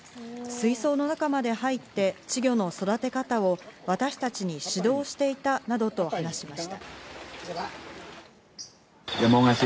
水槽の中まで入って、稚魚の育て方を私たちに指導していたなどと話しました。